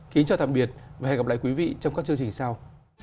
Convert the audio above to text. kính chào tạm biệt và hẹn gặp lại quý vị trong các chương trình sau